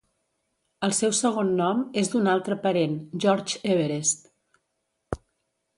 El seu segon nom és d'un altre parent, George Everest.